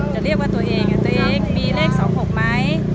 จะเรียกตัวเองในปีเลข๒๖มั้ย